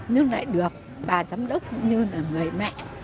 nhưng lại được bà giám đốc cũng như là người mẹ